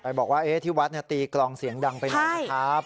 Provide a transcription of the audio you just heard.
บอกว่าที่วัดตีกลองเสียงดังไปหน่อยนะครับ